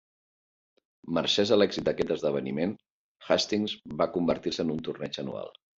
Mercès a l’èxit d’aquest esdeveniment, Hastings va convertir-se en un torneig anual.